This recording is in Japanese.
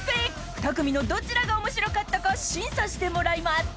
２組のどちらが面白かったか審査してもらいます。